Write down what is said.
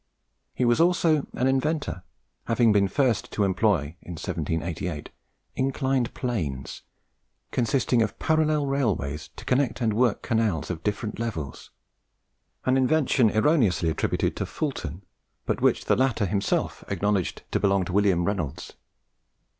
He was also an inventor, having been the first to employ (in 1788) inclined planes, consisting of parallel railways, to connect and work canals of different levels, an invention erroneously attributed to Fulton, but which the latter himself acknowledged to belong to William Reynolds.